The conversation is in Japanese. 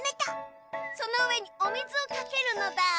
そのうえにおみずをかけるのだ。